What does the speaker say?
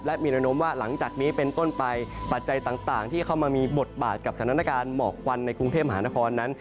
และมีแนวโน้มว่าหลังจากนี้เป็นต้นไปปัจจัยต่างที่เข้ามามีบทบาทกับสถานการณ์หมอกควันในกรุงเทพมหานครนั้น